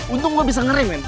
untung gue bisa ngeri men